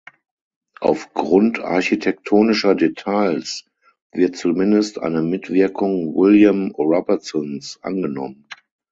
Auf Grund architektonischer Details wird zumindest eine Mitwirkung William Robertsons angenommen.